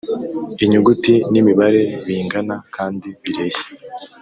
Inyuguti n’imibare bingana kandi bireshya